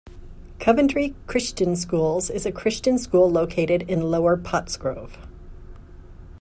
Coventry Christian Schools is a Christian school located in Lower Pottsgrove.